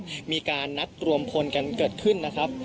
มีการนัดรวมพลกันเกิดขึ้นนะครับ